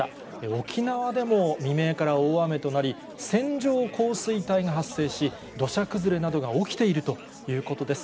沖縄でも未明から大雨となり、線状降水帯が発生し、土砂崩れなどが起きているということです。